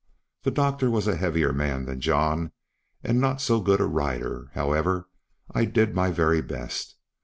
The doctor was a heavier man than John, and not so good a rider; however, I did my very best.